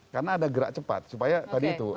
karena ada gerak cepat supaya tadi itu